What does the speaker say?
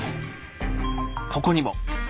ここにも。